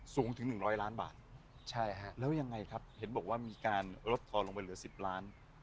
สูงถึง๑๐๐ล้านบาทใช่ฮะแล้วยังไงครับเห็นบอกว่ามีการลดทอนลงไปเหลือ๑๐ล้าน